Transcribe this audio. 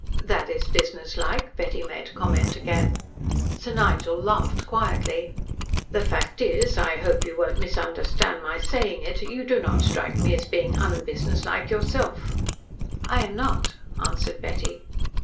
"That is businesslike," Betty made comment again. Sir Nigel laughed quietly. "The fact is I hope you won't misunderstand my saying it you do not strike me as being UN businesslike, yourself." "I am not," answered Betty.